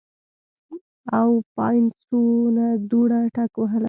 او پاينڅو نه دوړه ټکوهله